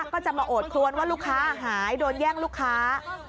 ก็จะมาโอดครวนว่าลูกค้าหายโดนแย่งลูกค้า